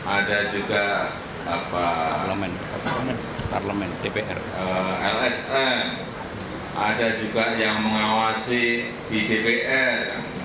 ada juga lsm ada juga yang mengawasi di dpr